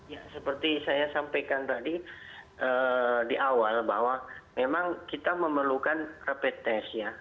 ya seperti saya sampaikan tadi di awal bahwa memang kita memerlukan rapid test ya